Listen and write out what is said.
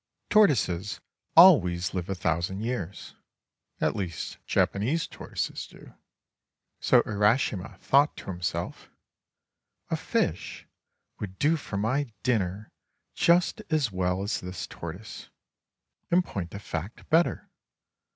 Tortoises always live a thousand years — at least Japanese tortoises do. So Urashima thought to himself: "A fish would do for my dinner just as well as this tortoise; in point of fact, better.